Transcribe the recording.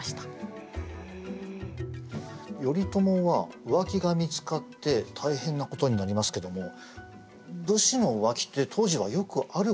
頼朝は浮気が見つかって大変なことになりますけども武士の浮気って当時はよくあることだったんでしょうか？